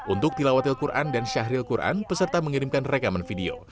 untuk tilawatil quran dan syahril quran peserta mengirimkan rekaman video